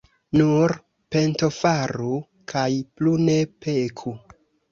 Nur pentofaru kaj plu ne peku.